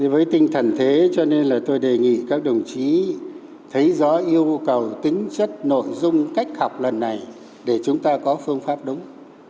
với tinh thần thế cho nên là tôi đề nghị các đồng chí thấy rõ yêu cầu tính chất nội dung cách học lần này để chúng ta có phương pháp đúng